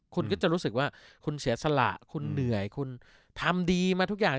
คุณก็จะรู้สึกว่าคุณเสียสละคุณเหนื่อยคุณทำดีมาทุกอย่าง